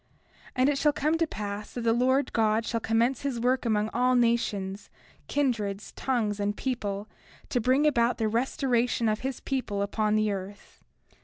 30:8 And it shall come to pass that the Lord God shall commence his work among all nations, kindreds, tongues, and people, to bring about the restoration of his people upon the earth.